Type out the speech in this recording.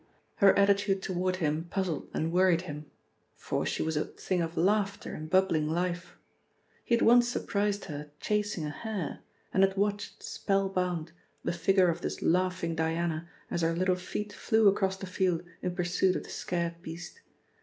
Her attitude toward him puzzled and worried him. For she was a thing of laughter and bubbling life. He had once surprised her chasing a hare, and had watched, spellbound, the figure of this laughing Diana as her little feet flew across the field in pursuit of the scared beast.